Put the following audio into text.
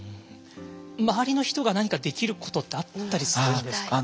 周りの人が何かできることってあったりするんですか？